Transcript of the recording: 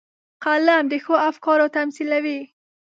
قلم د ښو افکارو تمثیلوي